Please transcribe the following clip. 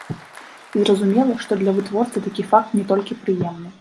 І зразумела, што для вытворцы такі факт не толькі прыемны.